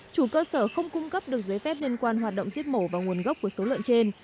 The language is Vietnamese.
chủ cơ sở không cung cấp được giấy phép liên quan hoạt động giết mổ và nguồn gốc của số lợn trên